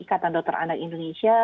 ikatan dokter anak indonesia